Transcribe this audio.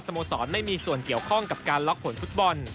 โมสรไม่มีส่วนเกี่ยวข้องกับการล็อกผลฟุตบอล